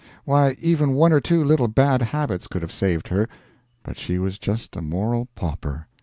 Why, even one or two little bad habits could have saved her, but she was just a moral pauper.